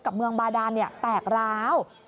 กับเมืองบาดาเนี่ยแตกร้าว